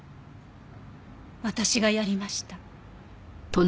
私がやりました。